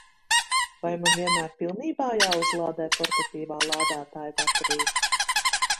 Vai man vienmēr pilnībā jāuzlādē portatīvā lādētāja baterija?